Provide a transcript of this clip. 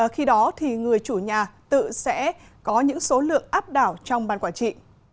khi đó thì người chủ nhà tự sẽ có những số lượng áp đảo trong ban quản trị